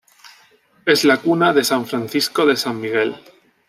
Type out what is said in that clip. Es la cuna de San Francisco de San Miguel.